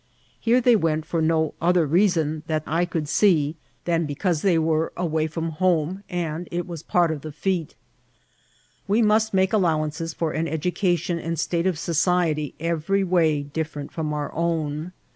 Here they went for no other reason that I could see than because they were Mt INCIDSNT8 OP TEATSL. sway from home, and it was part of the fete* We must make allowanoes for an education and state of society every way different from our own.